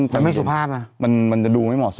เราก็ไม่สุภาพมันดูไม่เหมาะสม